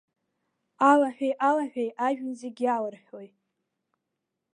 Алаҳәеи алаҳәеи ажәҩан зегь иалырҳәои.